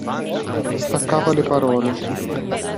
Staccava le parole.